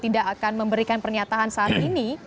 tidak akan memberikan pernyataan saat ini